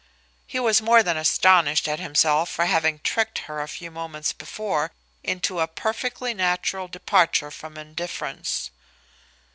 He was more than astonished at himself for having tricked her a few moments before into a perfectly natural departure from indifference.